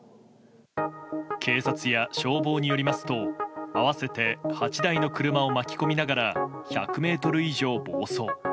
警察や消防によりますと合わせて８台の車を巻き込みながら１００ｍ以上暴走。